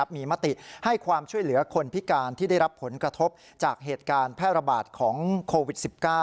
มีมติให้ความช่วยเหลือคนพิการที่ได้รับผลกระทบจากเหตุการณ์แพร่ระบาดของโควิด๑๙